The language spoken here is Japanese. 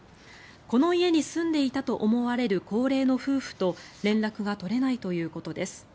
この家に住んでいたと思われる高齢の夫婦と連絡が取れないということです。